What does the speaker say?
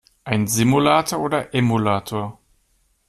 Ein Simulator oder Emulator?